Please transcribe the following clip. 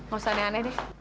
gak usah aneh aneh deh